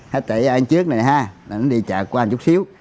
hít vào cái vàng trước này nè ha nó đi chạy qua chút xíu